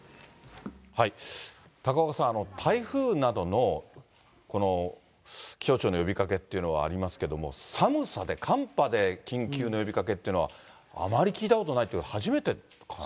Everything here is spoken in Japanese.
高岡さん、台風などのこの気象庁の呼びかけというのはありますけども、寒さで、寒波で緊急の呼びかけっていうのは、あまり聞いたことないっていうか、初めてかな。